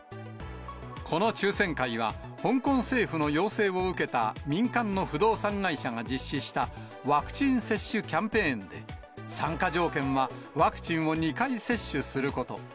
この抽せん会は、香港政府の要請を受けた民間の不動産会社が実施したワクチン接種キャンペーンで、参加条件は、ワクチンを２回接種すること。